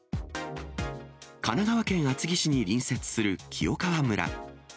神奈川県厚木市に隣接する清川村。